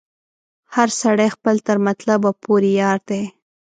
هر سړی خپل تر مطلب پوري یار دی